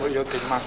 oh ya den mas